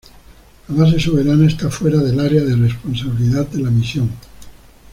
La base soberana está fuera del área de responsabilidad de la misión.